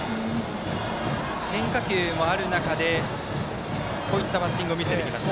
変化球もある中でこういったバッティングも見せてきました。